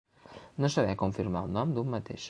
No saber com firmar el nom d'un mateix.